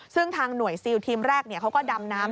ซึ่งทางหน่วยซิลทีมแรกเขาก็ดำน้ำ